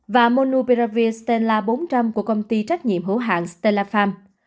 và monopiravir stela bốn trăm linh của công ty trách nhiệm hữu hạng stelafarm